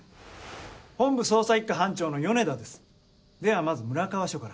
本部捜査一課班長の米田ですではまず村川署から。